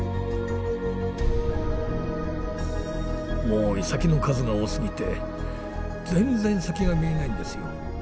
もうイサキの数が多すぎて全然先が見えないんですよ。